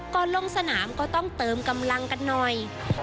ลงสนามก็ต้องเติมกำลังกันหน่อย